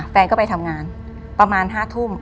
แฟนก็ไปทำงานประมาณ๕ทุ่ม